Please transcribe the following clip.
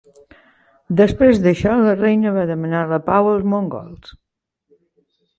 Després d'això la reina va demanar la pau als mongols.